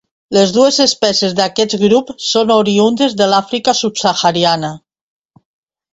Les dues espècies d'aquest grup són oriündes de l'Àfrica subsahariana.